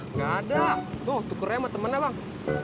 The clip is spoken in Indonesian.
nggak ada tuh tukernya sama temennya bang